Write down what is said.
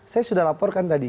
saya sudah laporkan tadi